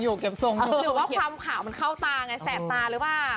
หรือว่าความข่าวมันเข้าตาไงแสดตาหรือเปล่า